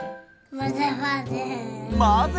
まぜまぜ！